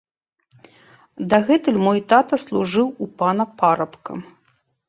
Дагэтуль мой тата служыў у пана парабкам.